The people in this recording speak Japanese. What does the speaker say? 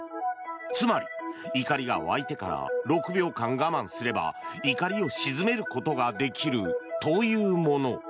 つまり、怒りが沸いてから６秒間我慢すれば怒りを鎮めることができるというもの。